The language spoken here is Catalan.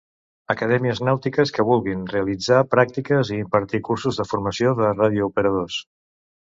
Acadèmies nàutiques que vulguin realitzar pràctiques i impartir cursos de formació de radiooperadors.